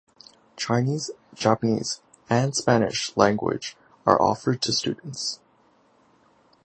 Chinese, Japanese and Spanish language are offered to students.